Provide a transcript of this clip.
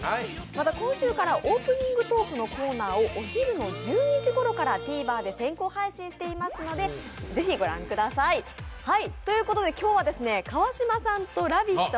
また今週からオープニングトークのコーナーをお昼の１２時ごろからＴＶｅｒで先行配信していますのでぜひ御覧ください。ということで今日は川島さんと「ラヴィット！」